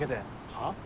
はっ？